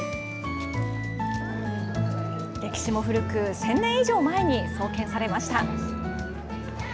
歴史も古く、１０００年以上前に創建されました。